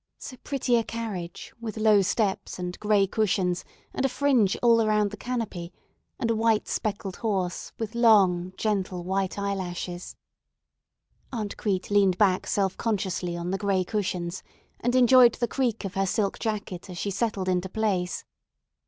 So pretty a carriage, with low steps and gray cushions and a fringe all around the canopy, and a white speckled horse, with long, gentle, white eyelashes. Aunt Crete leaned back self consciously on the gray cushions, and enjoyed the creak of her silk jacket as she settled into place.